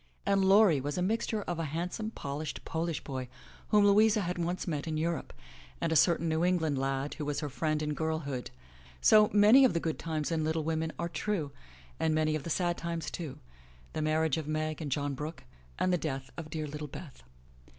And Laurie was a mixture of a handsome, polished, Polish boy whom Louisa had once met in Europe, and a certain New England lad who was her friend in girlhood. So, many of the good times in Little Women are true, and many of the sad times too, — the marriage of Meg and John Brooke, and the death of dear little Beth.